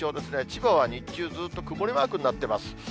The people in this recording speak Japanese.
千葉は日中、ずっと曇りマークになってます。